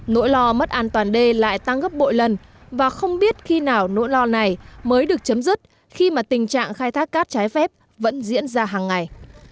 nỗi lo mất an toàn đê lại tăng gấp bội lần và không biết khi nào nỗi lo này mới được chấm dứt khi mà tình trạng khai thác cát trái phép vẫn diễn ra hàng ngày